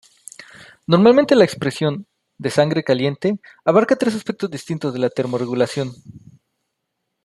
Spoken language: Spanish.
Normalmente la expresión "de sangre caliente" abarca tres aspectos distintos de la termorregulación.